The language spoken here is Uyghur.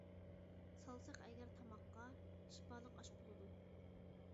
سالساق ئەگەر تاماققا، شىپالىق ئاش بولىدۇ.